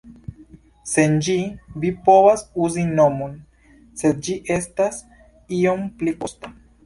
Sen ĝi, vi povas uzi monon, sed ĝi estas iom pli kosta.